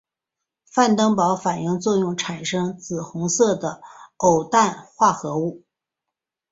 范登堡反应作用产生紫红色的偶氮化合物。